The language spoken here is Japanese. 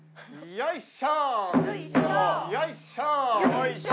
よいしょ！